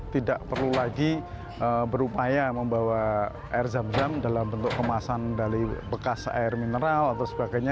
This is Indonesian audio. tidak perlu lagi berupaya membawa air zam zam dalam bentuk kemasan dari bekas air mineral atau sebagainya